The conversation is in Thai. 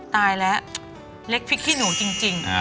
ตายแล้วเล็กพริกขี้หนูจริง